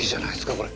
これ。